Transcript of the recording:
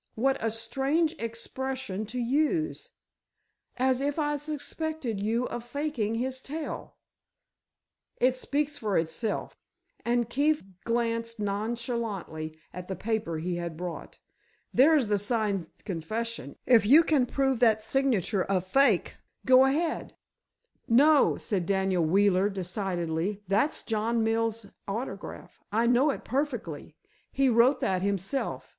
"What a strange expression to use. As if I suspected you of faking his tale." "It speaks for itself," and Keefe glanced nonchalantly at the paper he had brought. "There's the signed confession—if you can prove that signature a fake—go ahead." "No," said Daniel Wheeler, decidedly; "that's John Mills' autograph. I know it perfectly. He wrote that himself.